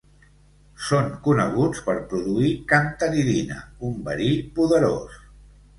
Són coneguts per produir cantaridina, un verí poderós.